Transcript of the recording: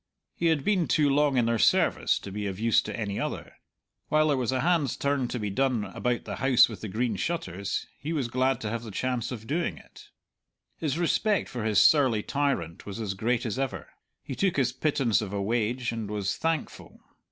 He had been too long in their service to be of use to any other; while there was a hand's turn to be done about the House with the Green Shutters he was glad to have the chance of doing it. His respect for his surly tyrant was as great as ever; he took his pittance of a wage and was thankful.